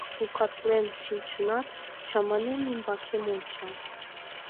— Орина воктекем сукалтен шинчынат, чаманен, ӱмбакем онча.